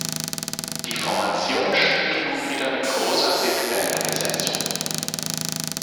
Die Formation spielte nun wieder in großer Big-Band-Besetzung.